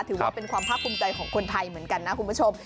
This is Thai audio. ถือว่าเป็นความภาคภูมิใจของคนไทยเหมือนกันนะคุณผู้ชม